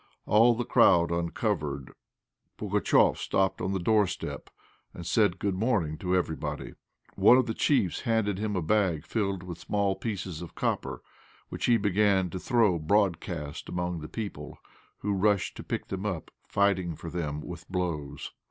All the crowd uncovered. Pugatchéf stopped on the doorstep and said good morning to everybody. One of the chiefs handed him a bag filled with small pieces of copper, which he began to throw broadcast among the people, who rushed to pick them up, fighting for them with blows.